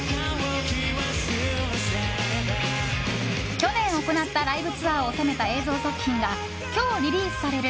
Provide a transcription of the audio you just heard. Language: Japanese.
去年、行ったライブツアーを収めた映像作品が今日リリースされる